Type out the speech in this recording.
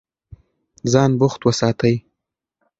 ځان بوخت وساتئ.